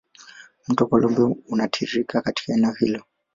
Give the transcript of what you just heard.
Mto Columbia unatiririka katika eneo hilo.